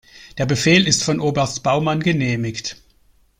Der Befehl ist von Oberst Baumann genehmigt.